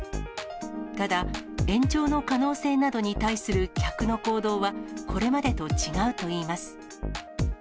ただ、延長の可能性などに対する客の行動は、これまでと違うといいます。